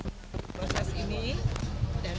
dan kementerian keuangan